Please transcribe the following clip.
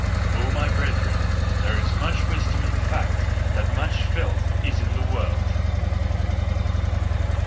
O my brethren, there is much wisdom in the fact that much filth is in the world!